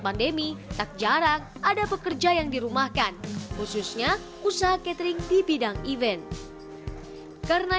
pandemi tak jarang ada pekerja yang dirumahkan khususnya usaha catering di bidang event karena